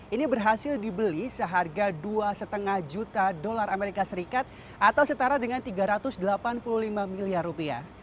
ini berhasil dibeli seharga dua lima juta dolar amerika serikat atau setara dengan tiga ratus delapan puluh lima miliar rupiah